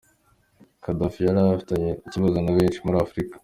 Kadhafi yari afitanye ibibazo na benshi muri Afurika.